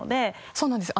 そうなんですよ。